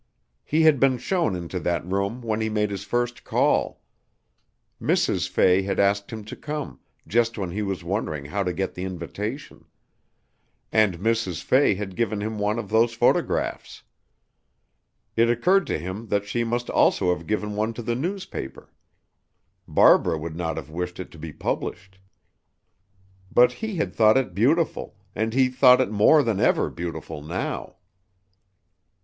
He had been shown into that room when he made his first call. Mrs. Fay had asked him to come, just when he was wondering how to get the invitation. And Mrs. Fay had given him one of those photographs. It occurred to him that she must also have given one to the newspaper. Barbara would not have wished it to be published. But he had thought it beautiful, and he thought it more than ever beautiful now.